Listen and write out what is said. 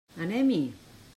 Anem-hi!